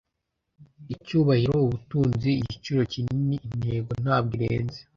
Icyubahiro, ubutunzi, igiciro kinini, intego ntabwo irenze